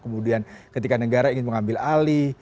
kemudian ketika negara ingin mengambil alih